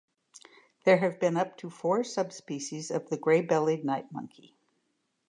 There have been up to four subspecies of the gray-bellied night monkey.